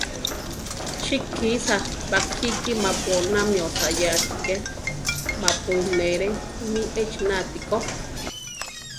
Chi kisá bakíki mapu oná mi osayá atíke, mapu ínere mí echina atikó.